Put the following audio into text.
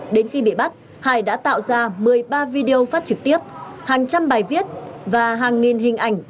đến khi bị bắt hải đã tạo ra một mươi ba video phát trực tiếp hàng trăm bài viết và hàng nghìn hình ảnh đăng tải lên mạng xã hội